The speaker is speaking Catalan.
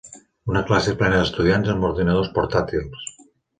Una classe plena d'estudiants amb ordinadors portàtils.